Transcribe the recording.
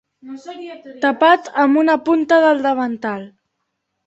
...tapat amb una punta del davantal.